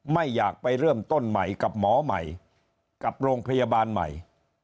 ไม่อยากไปเริ่มต้นใหม่กับหมอใหม่กับโรงพยาบาลใหม่